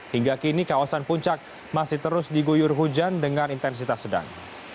hingga kini kawasan puncak masih terus diguyur hujan dengan intensitas sedang